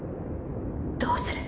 どうする！！